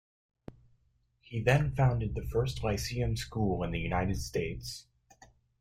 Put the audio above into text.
He then founded the first lyceum school in the United States.